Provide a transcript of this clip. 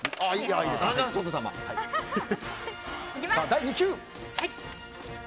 第２球！